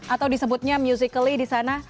atau disebutnya musically di sana